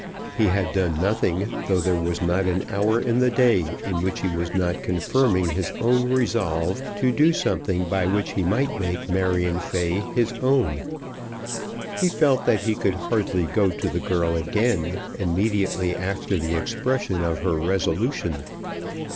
He had done nothing, though there was not an hour in the day in which he was not confirming his own resolve to do something by which he might make Marion Fay his own. He felt that he could hardly go to the girl again immediately after the expression of her resolution.